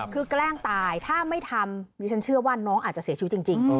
คือแกล้งตายถ้าไม่ทำดิฉันเชื่อว่าน้องอาจจะเสียชีวิตจริง